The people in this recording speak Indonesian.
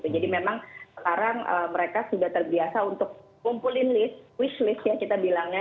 jadi memang sekarang mereka sudah terbiasa untuk kumpulin list wish list ya kita bilangnya